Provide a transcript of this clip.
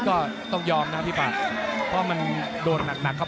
ก็ต้องยอมนะครับพี่ป่าเพราะมันโดนหนักเข้าไปจริง